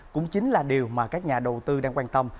cũng chính là điều mà các nhà đầu tư đang quan tâm